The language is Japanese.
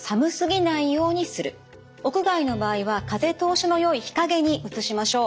屋外の場合は風通しのよい日陰に移しましょう。